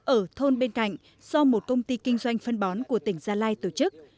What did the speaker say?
ở thôn bên cạnh do một công ty kinh doanh phân bón của tỉnh gia lai tổ chức